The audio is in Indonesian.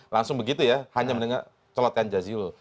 langsung begitu ya hanya mendengar colokan jazilul